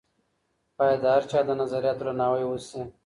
بايد د هر چا د نظرياتو درناوی وسي.